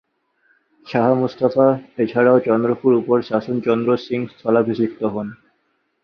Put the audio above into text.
শাহ মুস্তাফা এছাড়াও চন্দ্রপুর উপর শাসন চন্দ্র সিং স্থলাভিষিক্ত হন।